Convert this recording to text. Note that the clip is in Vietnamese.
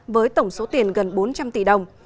với tổng số tiền gần bốn trăm linh tỷ đồng